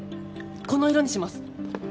この色にします！